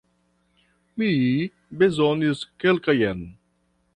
Mi bezonis kelkajn.